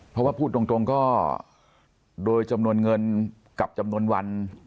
เพราะว่าพูดตรงก็โดยจำนวนเงินกับจำนวนวัน